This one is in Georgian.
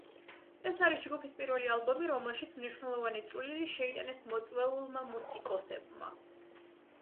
ეს არის ჯგუფის პირველი ალბომი, რომელშიც მნიშვნელოვანი წვლილი შეიტანეს მოწვეულმა მუსიკოსებმა.